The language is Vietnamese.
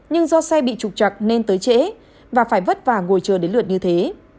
nhưng do xe bị trục chặt nên tới trễ và phải vất vả ngồi chờ đến lượt như thế